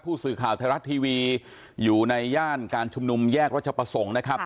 ผู้สื่อข่าวไทยรัฐทีวีอยู่ในย่านการชุมนุมแยกรัชประสงค์นะครับ